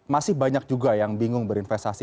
masih banyak juga yang bingung berinvestasi